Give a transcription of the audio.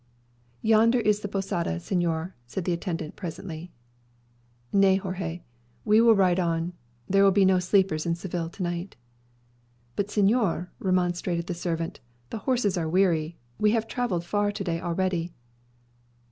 "Yonder is the posada, señor," said the attendant presently. "Nay, Jorge, we will ride on. There will be no sleepers in Seville to night." "But, señor," remonstrated the servant, "the horses are weary. We have travelled far to day already."